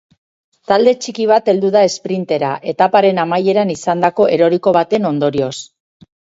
Talde txiki bat heldu da esprintera, etaparen amaieran izandako eroriko baten ondorioz.